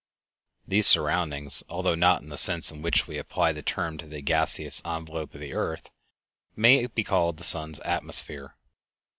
These surroundings, although not in the sense in which we apply the term to the gaseous envelope of the earth, may be called the sun's atmosphere.